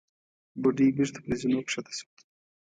بوډۍ بېرته پر زينو کښته شوه.